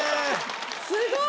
すごい